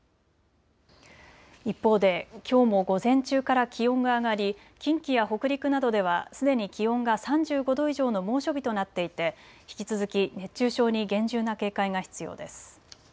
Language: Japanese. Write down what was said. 一方できょうも午前中から気温が上がり近畿や北陸などではすでに気温が３５度以上の猛暑日となっていて引き続き熱中症に厳重な警戒が必要です。